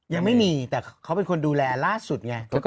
ยังไม่มีแต่เขาเป็นคนดูแลล่าสุดไง